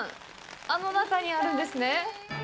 あの中にあるんですね